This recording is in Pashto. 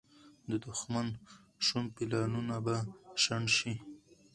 د دښمن شوم پلانونه به شنډ شي.